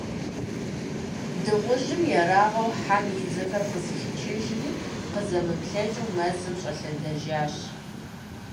Дыгъужьым, ерагъыу хьэм и дзэхэр къызыхичыжри, къызэмыплъэкӀыу мэзым щӀэлъэдэжащ.